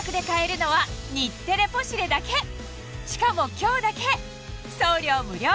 しかも今日だけ送料無料！